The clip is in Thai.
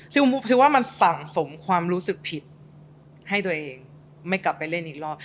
ซึ่งถือว่ามันสั่งสมความรู้สึกผิดให้ตัวเองไม่กลับไปเล่นอีกรอบ